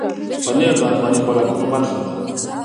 پنېر د افغاني خوراکونو برخه ده.